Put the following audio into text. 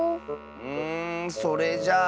うんそれじゃあ。